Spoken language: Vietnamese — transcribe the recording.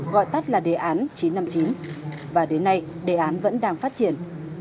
gọi tắt là đề án chín trăm năm mươi chín và đến nay đề án vẫn đang phát triển